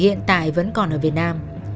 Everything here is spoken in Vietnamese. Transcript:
thùy hiện tại vẫn còn ở việt nam